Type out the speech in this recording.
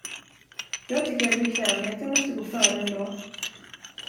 Jag tycker att bekvämligheten måste gå före, ändå.